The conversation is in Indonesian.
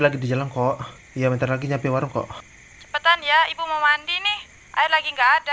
lagi di jalan kok iya bentar lagi nyampe warung kok cepetan ya ibu mau mandi nih air lagi enggak ada